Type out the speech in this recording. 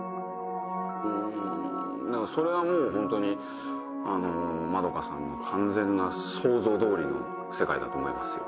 うんそれはもうホントにあのマドカさんの完全な想像通りの世界だと思いますよ。